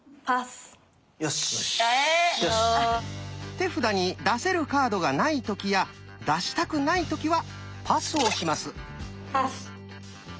手札に出せるカードがない時や出したくない時はパスをします。